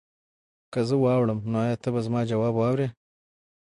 که زه واوړم نو ایا ته به زما ځواب واورې؟